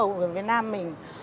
phở của việt nam mình